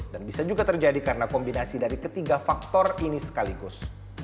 dan bisa juga terjadi karena kombinasi dari ketiga faktor ini sekaligus